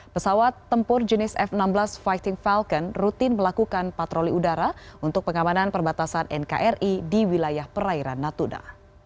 pesawat tempur jenis f enam belas fighting falcon rutin melakukan patroli udara untuk pengamanan perbatasan nkri di wilayah perairan natuna